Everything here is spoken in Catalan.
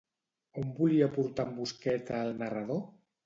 On volia portar en Busqueta al narrador?